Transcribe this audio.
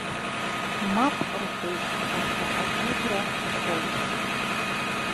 Мап рҳәеит, аха агәыӷра нхоит.